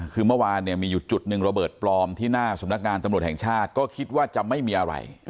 คือเมื่อวานเนี่ยมีอยู่จุดหนึ่งระเบิดปลอมที่หน้าสำนักงานตำรวจแห่งชาติก็คิดว่าจะไม่มีอะไร